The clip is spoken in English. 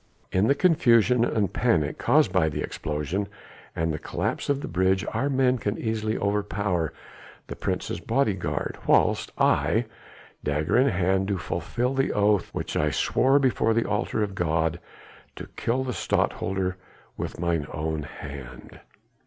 In the confusion and panic caused by the explosion and the collapse of the bridge our men can easily overpower the Prince's bodyguard whilst I, dagger in hand, do fulfil the oath which I swore before the altar of God, to kill the Stadtholder with mine own hand."